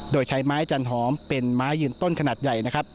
โดยใช้ไม้จันหอมเป็นไม้ยืนต้นขนาดใหญ่นะครับ